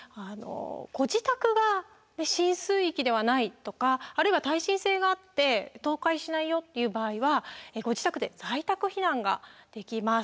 ご自宅が浸水域ではないとかあるいは耐震性があって倒壊しないよっていう場合はご自宅で在宅避難ができます。